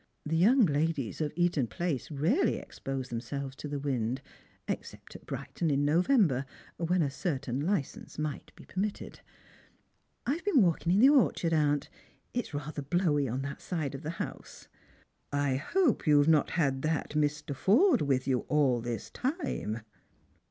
The young ladies of Eaton place rarely exposed themselves to the wind, except at Brighton in November, when a certain license might be permitted. " I have been walking in the orchard, aunt. It's rather blowy on that side of the house." " I hope you have not had that Mr. Forde with you all this time."